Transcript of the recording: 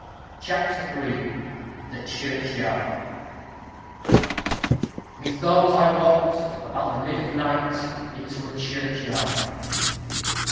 _ CHAPTER III THE CHURCHYARD Methought I walked, about the mid of night, Into a churchyard.